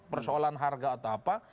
persoalan harga atau apa